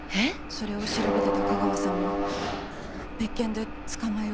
それを調べてた架川さんを別件で捕まえようとしてる。